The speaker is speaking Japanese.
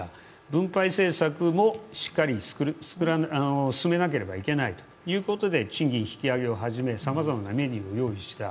分配政策もしっかり進めなければいけないということで、賃金引き上げをはじめ、さまざまなメニューを用意した。